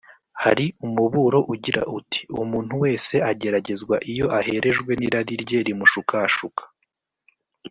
hari umuburo ugira uti “Umuntu wese ageragezwa iyo arehejwe n’irari rye rimushukashuka”